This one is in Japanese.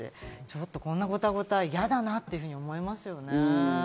ちょっとこんなごたごたは嫌だなと思いますね。